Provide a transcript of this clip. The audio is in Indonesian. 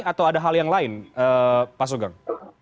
atau ada hal yang lain pak sugeng